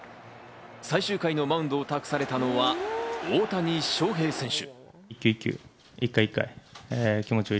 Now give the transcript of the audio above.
最終回のマウンドを託されたのは大谷翔平選手。